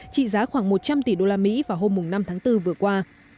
trị giá khoảng một trăm linh tỷ đô la mỹ vào hôm năm tháng bốn vừa qua